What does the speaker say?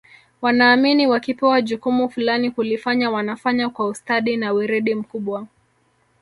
wanaamini wakipewa jukumu fulani kulifanya wanafanya kwa ustadi na weredi mkubwa